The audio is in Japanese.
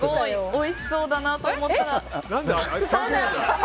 おいしそうだなと思ったら。